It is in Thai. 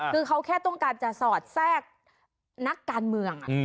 คือเขาแค่ต้องการจะสอดแทรกนักการเมือง